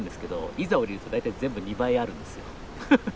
いざ下りると大体全部２倍あるんですよ。